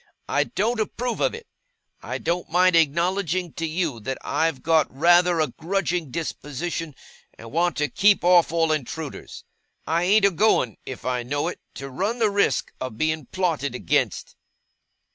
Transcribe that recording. I don't approve of it. I don't mind acknowledging to you that I've got rather a grudging disposition, and want to keep off all intruders. I ain't a going, if I know it, to run the risk of being plotted against.